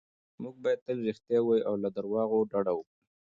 موږ باید تل رښتیا ووایو او له درواغو ډډه وکړو.